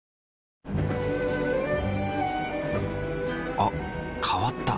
あ変わった。